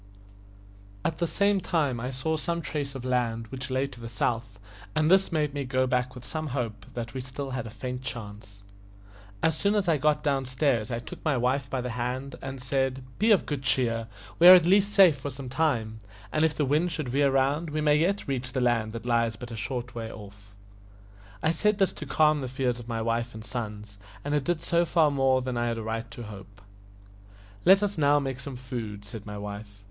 At the same time I saw some trace of land, which lay to the south, and this made me go back with some hope that we had still a faint chance. As soon as I got down stairs I took my wife by the hand, and said, "Be of good cheer, we are at least safe for some time, and if the wind should veer round, we may yet reach the land that lies but a short way off." I said this to calm the fears of my wife and sons, and it did so far more than I had a right to hope. "Let us now take some food," said my wife.